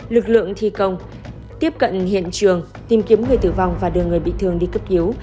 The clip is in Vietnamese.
lực lượng thi công tiếp cận hiện trường tìm kiếm người tử vong và đưa người bị thương đi cấp cứu